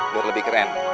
buat lebih keren